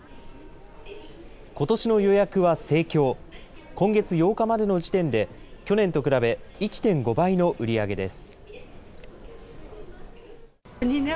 ことしの予約は盛況、今月８日までの時点で、去年と比べ１．５倍の売り上げです。